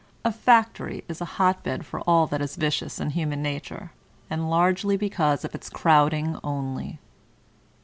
(A factory is a hot bed for all that is vicious in human nature, and largely because of its crowding only.)